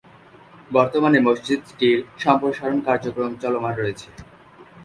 বর্তমানে মসজিদ টির সম্প্রসারণ কার্যক্রম চলমান রয়েছে।